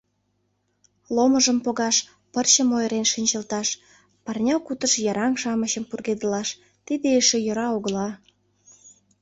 Ломыжым погаш, пырчым ойырен шинчылташ, парня кутыш йыраҥ-шамычым пургедылаш, — тиде эше йӧра огыла.